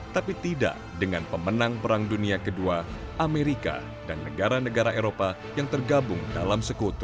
tapi tidak dengan pemenang perang dunia ii amerika dan negara negara eropa yang tergabung dalam sekutu